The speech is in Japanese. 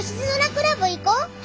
クラブ行こ！